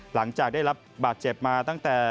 หลังจากได้รับบาดเจ็บมาตั้งแต่